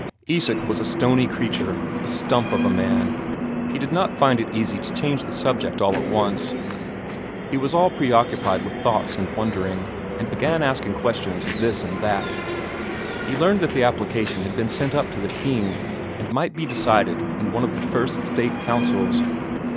Isak was a stony creature, a stump of a man; he did not find it easy to change the subject all at once; he was all preoccupied with thoughts and wondering, and began asking questions of this and that. He learned that the application had been sent up to the King, and might be decided in one of the first State Councils.